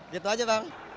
gitu aja bang